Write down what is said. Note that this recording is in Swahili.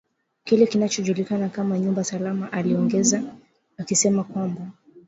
kile kinachojulikana kama nyumba salama aliongeza akisema kwamba